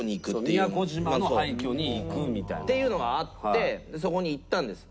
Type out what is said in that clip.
宮古島の廃虚に行くみたいな。っていうのがあってそこに行ったんです。